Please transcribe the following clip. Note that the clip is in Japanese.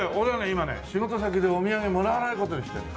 今ね仕事先でお土産もらわない事にしてるの。